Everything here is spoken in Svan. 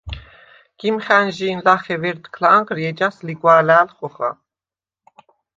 გიმხა̈ნჟი̄ნ ლახე ვერთქლ ანღრი, ეჯას ლიგვა̄ლა̄̈ლ ხოხა.